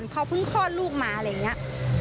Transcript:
เขาเพิ่งคลอดลูกมาอะไรอย่างนี้